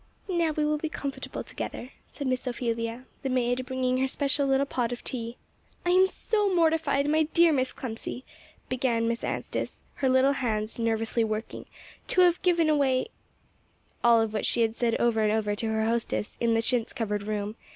"Now we will be comfortable together," said Miss Ophelia, the maid bringing her special little pot of tea. "I am so mortified, my dear Miss Clemcy," began Miss Anstice, her little hands nervously working, "to have given way;" all of which she had said over and over to her hostess in the chintz covered room.